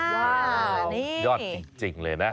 ว้าวนี่ยอดจริงเลยนะ